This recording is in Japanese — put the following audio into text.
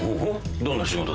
どんな仕事だ？